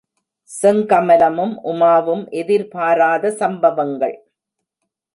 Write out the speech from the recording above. செங்கமலமும் உமாவும் எதிர்பாராத சம்பவங்கள்.